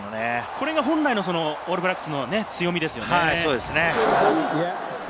これが本来のオールブラックスの強みですよね。